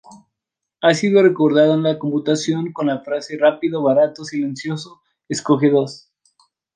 Ha sido recordado en la computación con la frase "rápido, barato, silencioso: escoge dos".